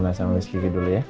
masak sama miss kiki dulu ya